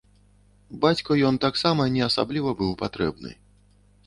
Бацьку ён таксама не асабліва быў патрэбны.